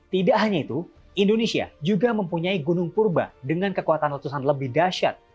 tidak hanya itu indonesia juga mempunyai gunung purba dengan kekuatan letusan lebih dahsyat